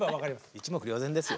一目瞭然ですよ。